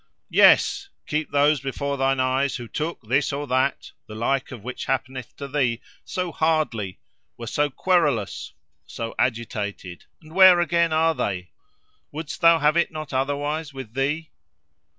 Yes! keep those before thine eyes who took this or that, the like of which happeneth to thee, so hardly; were so querulous, so agitated. And where again are they? Wouldst thou have it not otherwise with thee?